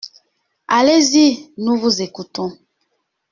Allez-y. Nous vous écoutons.